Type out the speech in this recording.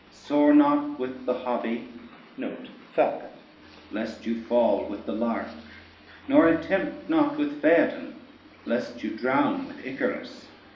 Soar not with the hobby, lest you fall with the lark, nor attempt not with Phaeton, lest you drown with Icarus.